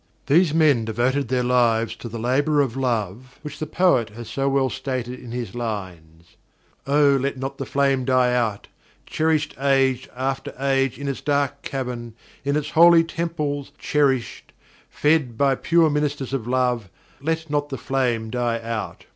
These men devoted their lives to the labor of love which the poet has so well stated in his lines: "O, let not the flame die out! Cherished age after age in its dark cavern in its holy temples cherished. Fed by pure ministers of love let not the flame die out!"